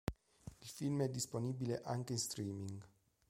Il film è disponibile anche in streaming.